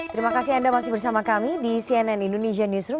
terima kasih anda masih bersama kami di cnn indonesia newsroom